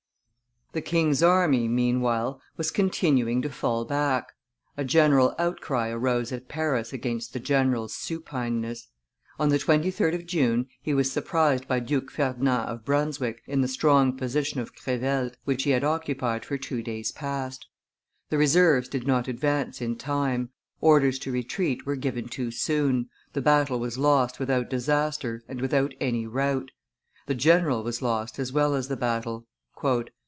The king's army, meanwhile, was continuing to fall back; a general outcry arose at Paris against the general's supineness. On the 23d of June he was surprised by Duke Ferdinand of Brunswick in the strong position of Crevelt, which he had occupied for two days past; the reserves did not advance in time, orders to retreat were given too soon, the battle was lost without disaster and without any rout; the general was lost as well as the battle.